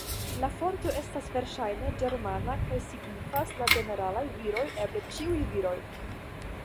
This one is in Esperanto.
La fonto estas verŝajne ĝermana kaj signifas "la ĝeneralaj viroj", eble "ĉiuj viroj".